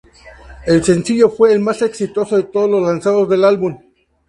El sencillo fue el más exitoso de todos los lanzados del álbum.